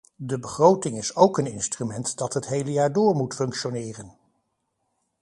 De begroting is ook een instrument dat het hele jaar door moet functioneren.